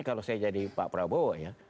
kalau saya jadi pak prabowo ya